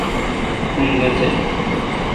ان نہ تھ۔